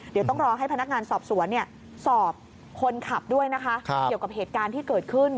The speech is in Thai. เดี๋ยวต้องรอให้พนักงานสอบสวนสอบคนขับด้วยนะคะเกี่ยวกับเหตุการณ์ที่เกิดขึ้น